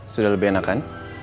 sudah lebih enak kan